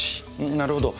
なるほど。